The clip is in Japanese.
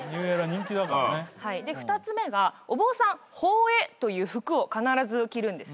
２つ目がお坊さん法衣という服を必ず着るんですね。